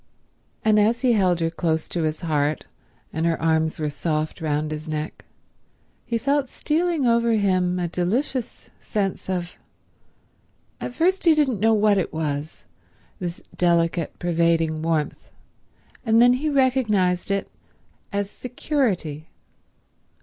And as he held her close to his heart and her arms were soft round his neck, he felt stealing over him a delicious sense of—at first he didn't know what it was, this delicate, pervading warmth, and then he recognized it as security.